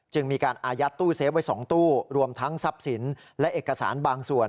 มีการอายัดตู้เซฟไว้๒ตู้รวมทั้งทรัพย์สินและเอกสารบางส่วน